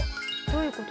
どういう事？